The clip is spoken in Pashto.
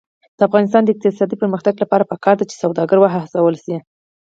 د افغانستان د اقتصادي پرمختګ لپاره پکار ده چې سوداګر وهڅول شي.